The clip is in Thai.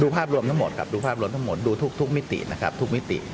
ภาพรวมทั้งหมดครับดูภาพรวมทั้งหมดดูทุกมิตินะครับทุกมิติ